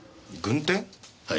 はい。